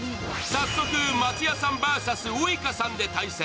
早速、松也さんＶＳウイカさんで対戦。